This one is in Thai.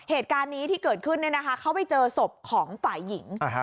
เหตุการณ์นี้ที่เกิดขึ้นเนี่ยนะคะเข้าไปเจอศพของฝ่ายหญิงอ่าฮะ